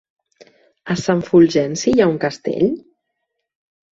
A Sant Fulgenci hi ha un castell?